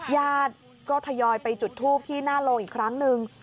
ญาติก็ทยอยไปจุดทูปที่หน้าโรงอีกครั้งหนึ่ง